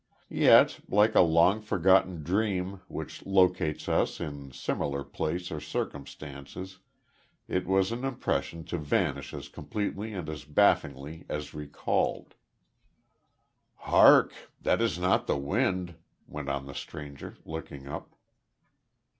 Yet, like a long forgotten dream which locates us in similar place or circumstances, it was an impression to vanish as completely and as bafflingly as recalled. "Hark! That is not the wind," went on the stranger, looking up.